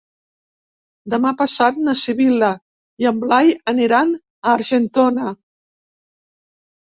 Demà passat na Sibil·la i en Blai aniran a Argentona.